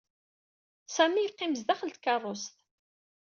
Sami yeqqim sdaxel tkeṛṛust.